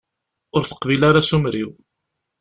Ur teqbil ara asumer-iw.